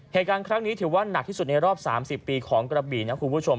เหตุการณ์ครั้งนี้ถือว่าหนักที่สุดในรอบ๓๐ปีของกระบี่นะคุณผู้ชม